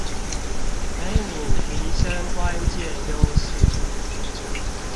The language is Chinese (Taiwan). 給你提升關鍵優勢